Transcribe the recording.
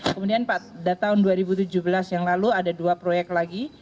kemudian pada tahun dua ribu tujuh belas yang lalu ada dua proyek lagi